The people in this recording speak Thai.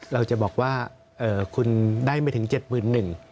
เราจะบอกว่าคุณได้ไม่ถึง๗๑๐๐บาท